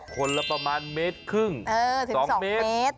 คนละประมาณเมตรครึ่ง๒เมตร